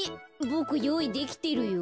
ボクよういできてるよ。